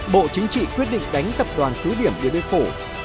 bộ chính trị quyết định đánh tập đoàn cứ điểm điện biên phủ